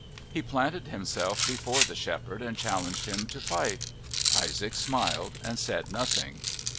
He planted himself before the shepherd and challenged him to fight. Isaac smiled and said nothing.